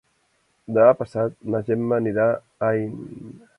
Demà passat na Gemma anirà a Aín.